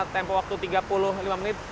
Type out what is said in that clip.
tempo waktu tiga puluh lima menit